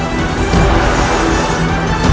siapa basar bu